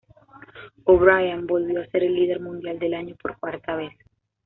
O'Brien volvía a ser el líder mundial del año por cuarta vez.